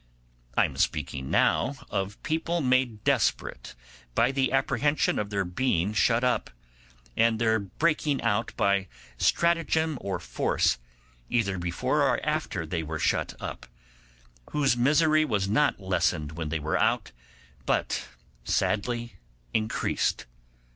I am speaking now of people made desperate by the apprehensions of their being shut up, and their breaking out by stratagem or force, either before or after they were shut up, whose misery was not lessened when they were out, but sadly increased.